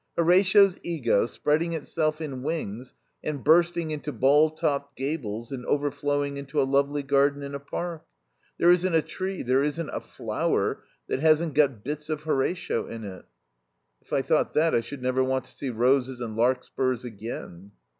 Horatio's ego spreading itself in wings and bursting into ball topped gables and overflowing into a lovely garden and a park. There isn't a tree, there isn't a flower that hasn't got bits of Horatio in it." "If I thought that I should never want to see roses and larkspurs again."